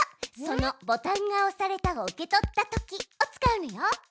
その「ボタンがおされたを受け取ったとき」を使うのよ。